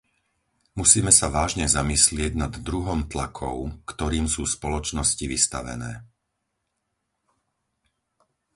Musíme sa vážne zamyslieť nad druhom tlakov, ktorým sú spoločnosti vystavené.